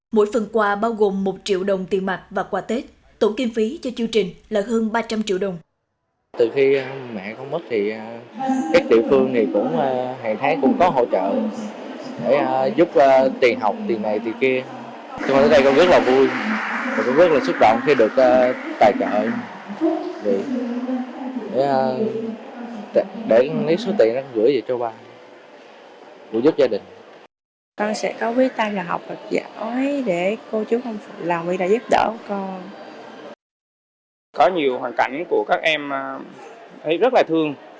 mỗi phần quà bao gồm một triệu đồng tiền mạc và quà tết tổ kiên phí cho chương trình là hơn ba trăm linh triệu đồng